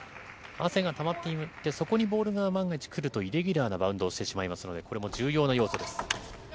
汗がたまっていって、そこにボールが万が一来てしまうと、イレギュラーなバウンドをしてしまうので、これも重要な要素です。